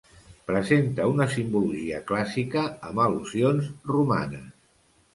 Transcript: Presenta una simbologia clàssica, amb al·lusions romanes.